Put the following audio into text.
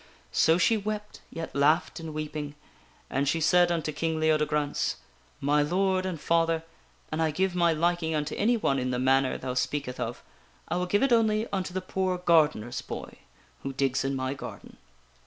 So she wept, yet laughed in weeping. And she said unto King Leodegrance :" My Lord and father, an I give my liking unto any one in the manner thou speaketh of, I will give it only unto the poor gardener's boy who digs in my garden."